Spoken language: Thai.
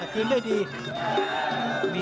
โต้คืนด้วยดี